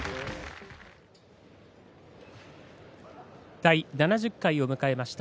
第７０回を迎えました